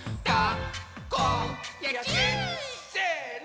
せの！